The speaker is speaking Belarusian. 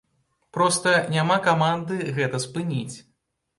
Проста няма каманды гэта спыніць.